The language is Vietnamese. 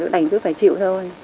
chứ đành cứ phải chịu thôi